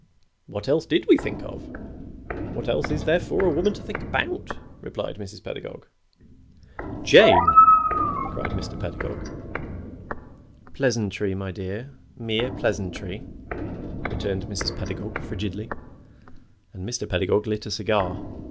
"What else did we think of? What else is there for a woman to think about?" replied Mrs. Pedagog. "Jane!" cried Mr. Pedagog. "Pleasantry, my dear mere pleasantry," returned Mrs. Pedagog, frigidly. And Mr. Pedagog lit a cigar.